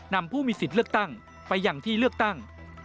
ผู้มีสิทธิ์เลือกตั้งไปอย่างที่เลือกตั้ง